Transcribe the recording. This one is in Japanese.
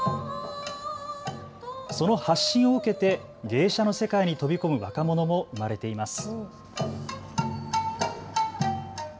その発信を受けて芸者の世界に飛び込む若者も生まれています。